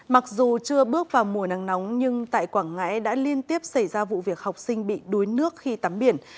mặc dù chưa bước vào mùa nắng nóng nhưng tại quảng ngãi đã liên tiếp xảy ra vụ việc học sinh bị đuối nước khi tắm biển